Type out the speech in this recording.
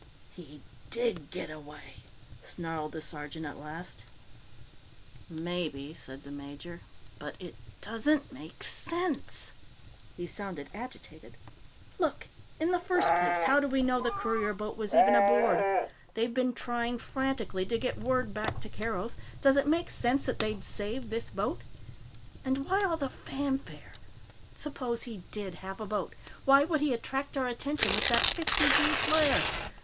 "He did get away!" snarled the sergeant at last. "Maybe," said the major. "But it doesn't make sense." He sounded agitated. "Look. In the first place, how do we know the courier boat was even aboard? They've been trying frantically to get word back to Keroth; does it make sense that they'd save this boat? And why all the fanfare? Suppose he did have a boat? Why would he attract our attention with that fifty gee flare?